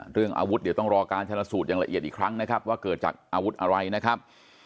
เรื่องอาวุธเดี๋ยวต้องรอการชนะสูตรอย่างละเอียดอีกครั้งนะครับว่าเกิดจากอาวุธอะไรนะครับ